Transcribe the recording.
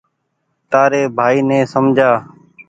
تآري ڀآئي ني سمجهآ